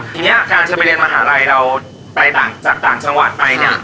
ทีนี้การจะไปเรียนมหาวิทยาลัยเราจากต่างจังหวัดไปเนี่ย